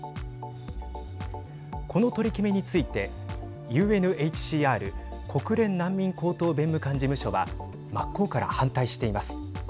この取り決めについてＵＮＨＣＲ＝国連難民高等弁務官事務所は真っ向から反対しています。